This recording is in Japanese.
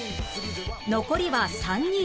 残りは３人